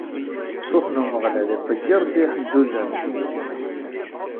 Ṣṣut n Umeɣlal iṭṭeyyir-d iḥeǧǧuǧa n tmes.